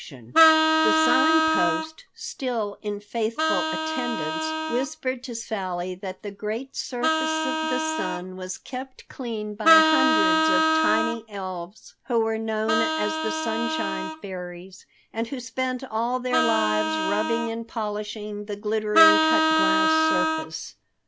The Sign Post, still in faithful attendance, whispered to Sally that the great surface of the sun was kept clean by hundreds of tiny elves who were known as the Sunshine Fairies and who spent all their lives rubbing and polishing the glittering cut glass surface.